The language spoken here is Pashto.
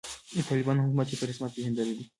چې د طالبانو حکومت یې په رسمیت پیژندلی دی